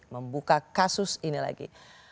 membuka kasus ini lagi